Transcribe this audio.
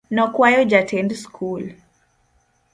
Nokwayo jatend skul.